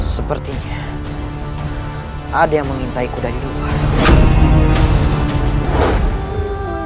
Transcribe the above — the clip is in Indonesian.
sepertinya ada yang mengintai ku dari luar